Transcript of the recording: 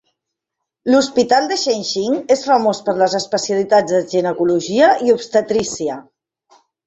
L'Hospital de Shengjing és famós per les especialitats de ginecologia i obstetrícia.